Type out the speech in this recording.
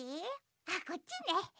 あっこっちね。